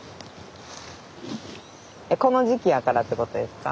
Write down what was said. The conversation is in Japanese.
この時期やからってことですか？